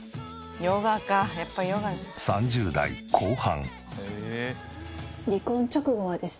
３０代後半。